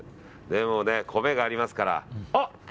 でもね、米がありますから。